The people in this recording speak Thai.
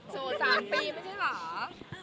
โสด๓ปีไม่ใช่เหรอ